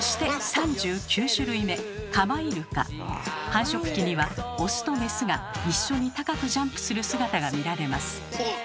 繁殖期にはオスとメスが一緒に高くジャンプする姿が見られます。